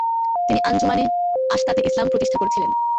তিনি আঞ্জুমানে আশআতে ইসলাম প্রতিষ্ঠা করেছিলেন।